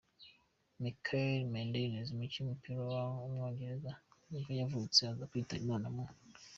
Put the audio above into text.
Michael Maidens, umukinnyi w’umupira w’umwongereza nibwo yavutse, aza kwitaba Imana mu .